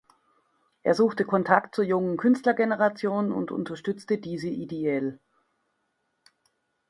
Er suchte Kontakt zur jungen Künstlergeneration und unterstützte diese ideell.